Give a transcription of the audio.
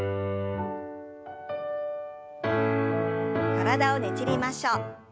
体をねじりましょう。